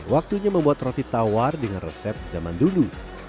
waktunya membuat roti tawar dengan resep zaman dulu